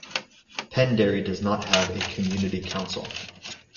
Penderry does not have a community council.